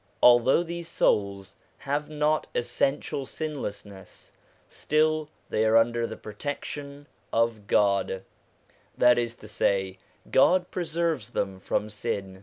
Although these souls have not essential sinlessness, still they are under the protection of God: that is to say, God pre serves them from sin.